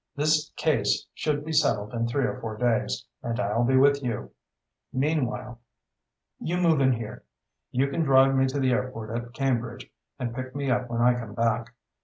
This case should be settled in three or four days, and I'll be with you. Meanwhile, you move in here. You can drive me to the airport at Cambridge and pick me up when I come back.